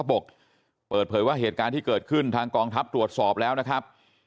บอกเปิดเผยว่าเหตุการณ์ที่เกิดขึ้นทางกองทัพตรวจสอบแล้วนะครับ